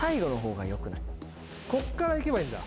こっからいけばいいんだ。